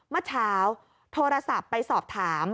เมื่อเช้าโทรศัพท์ไปสอบถาม